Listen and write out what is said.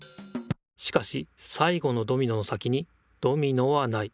しかし最後のドミノの先にドミノはない。